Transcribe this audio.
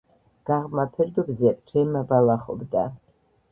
გაღმა ფერდობზე რემა ბალახობდა.